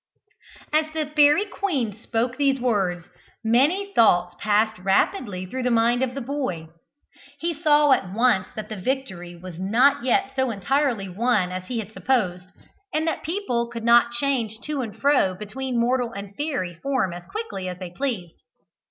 As the fairy queen spoke these words, many thoughts passed rapidly through the mind of the boy. He saw at once that the victory was not yet so entirely won as he had supposed, and that people could not change to and fro between mortal and fairy form as quickly as they pleased.